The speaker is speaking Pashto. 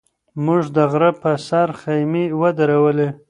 موږ د غره په سر خیمې ودرولې.